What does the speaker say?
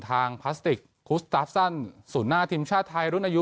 ทางพลาสติกคุสตาฟซันสู่หน้าทีมชาติไทยรุ่นอายุ